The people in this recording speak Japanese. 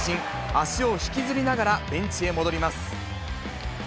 足を引きずりながらベンチへ戻ります。